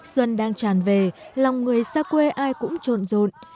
xuân đang tràn về lòng người xa quê ai cũng trộn rộn